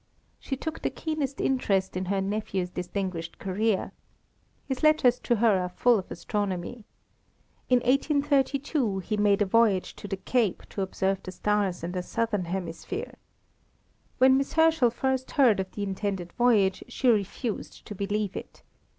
She took the keenest interest in her nephew's distinguished career. His letters to her are full of astronomy. In 1832 he made a voyage to the Cape to observe the stars in the Southern Hemisphere. When Miss Herschel first heard of the intended voyage she refused to believe it.